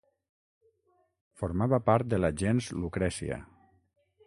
Formava part de la gens Lucrècia.